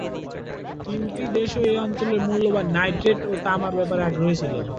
তিনটি দেশই এ অঞ্চলের মূল্যবান নাইট্রেট ও তামার ব্যাপারে আগ্রহী ছিল।